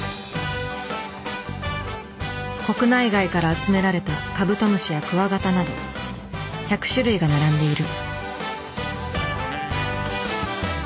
国内外から集められたカブトムシやクワガタなど１００種類が並んでいる。